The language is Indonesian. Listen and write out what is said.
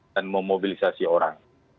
dan memobilisasi orang